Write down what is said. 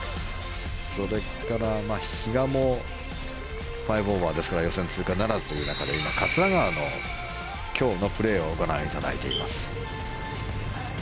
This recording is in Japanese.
それから比嘉も５オーバーですから予選通過ならずという中で今、桂川の今日のプレーをご覧いただいています。